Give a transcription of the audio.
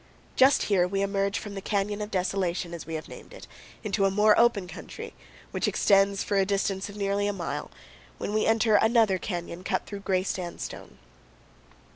Just here we emerge from the Canyon of Desolation, as we have named it, into a more open country, which extends for a distance of nearly a mile, when we enter another canyon cut through gray sandstone.